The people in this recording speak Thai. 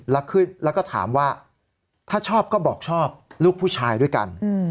แล้วก็ถามว่าถ้าชอบก็บอกชอบลูกผู้ชายด้วยกัน